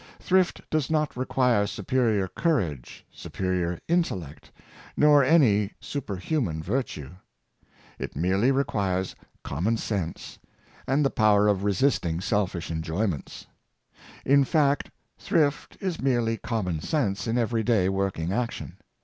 Thrift does not require superior courage, superior intellect, nor any superhuman Habits of Economy. 403 virtue. It merely requires common sense, and the power of resisting selfish enjoyments. In fact, thrift is merely common sense in every day working action.